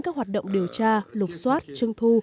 các hoạt động điều tra lục xoát trưng thu